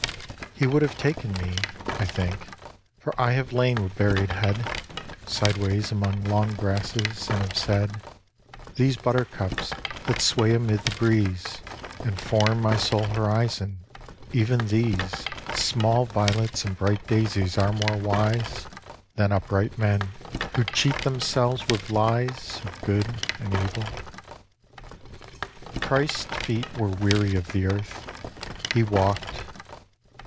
He would have taken me, I think, for I have lain with buried head Sideways among long grasses, and have said, " These buttercups that sway amid the breeze, And form my sole horizon, even these Small violets and bright daisies are more wise Than upright men who cheat themselves with lies Of good and evil." Christ's feet were weary of the earth He walked.